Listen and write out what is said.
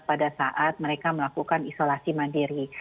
pada saat mereka melakukan isolasi mandiri